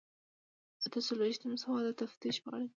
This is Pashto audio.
اته څلویښتم سوال د تفتیش په اړه دی.